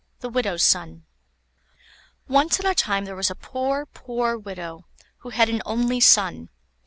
THE WIDOW'S SON Once on a time there was a poor, poor Widow, who had an only Son.